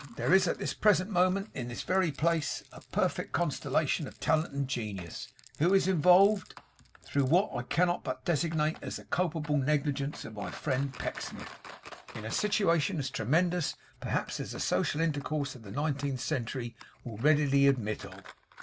There is at this present moment in this very place, a perfect constellation of talent and genius, who is involved, through what I cannot but designate as the culpable negligence of my friend Pecksniff, in a situation as tremendous, perhaps, as the social intercourse of the nineteenth century will readily admit of.